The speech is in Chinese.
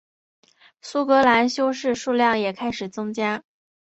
苏格兰修士数量也开始增加。